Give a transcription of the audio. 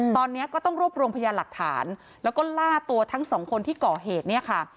ตอนนี้ก็ต้องรวบรวมพยานหลักฐานแล้วก็ล่าตัวทั้งสองคนที่ก่อเหตุเนี่ยค่ะ